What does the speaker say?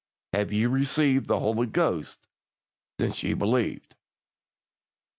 "HAVE YE RECEIVED THE HOLY GHOST SINCE YE BELIEVED?"